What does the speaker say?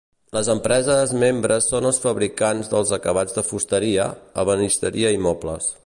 Les empreses membres són els fabricants dels acabats de fusteria, ebenisteria i mobles.